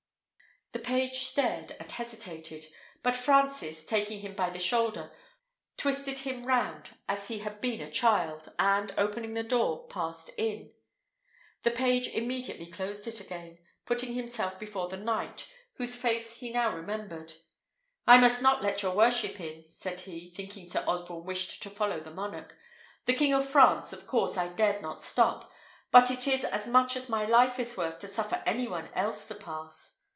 The page stared and hesitated; but Francis, taking him by the shoulder, twisted him round as he had been a child, and, opening the door, passed in. The page immediately closed it again, putting himself before the knight, whose face he now remembered. "I must not let your worship in," said he, thinking Sir Osborne wished to follow the monarch. "The King of France, of course, I dared not stop, but it is as much as my life is worth to suffer any one else to pass."